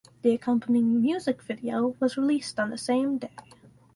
The accompanying music video was released on the same day.